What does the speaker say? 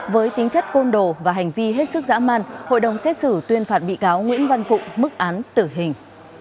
với tính chất côn đồ và hành vi hết sức dã man hội đồng xét xử tuyên phạt bị cáo nguyễn văn phụng mức án tử hình